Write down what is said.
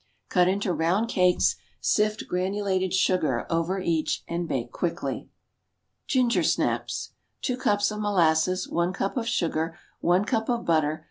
Cut into round cakes; sift granulated sugar over each and bake quickly. Ginger Snaps. Two cups of molasses. One cup of sugar. One cup of butter.